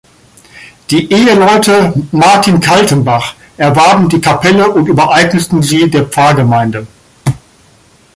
Die Eheleute "Martin Kaltenbach" erwarben die Kapelle und übereigneten sie der Pfarrgemeinde.